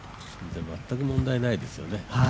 全く問題ないですよね。